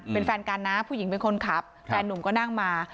เป็นแฟนกันนะผู้หญิงเป็นคนขับแฟนนุ่มก็นั่งมา